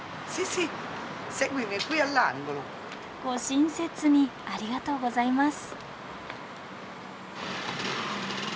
ご親切にありがとうございます。